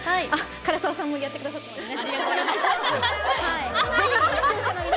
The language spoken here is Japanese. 唐沢さんもやってくださってますね。